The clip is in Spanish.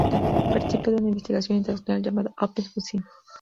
Participa de una investigación internacional llamada Open Business.